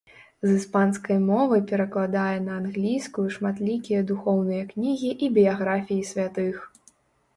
З іспанскай мовы перакладае на англійскую шматлікія духоўныя кнігі і біяграфіі святых.